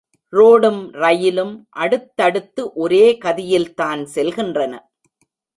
ரோடும் ரயிலும் அடுத்தடுத்து ஒரே கதியில்தான் செல்கின்றன.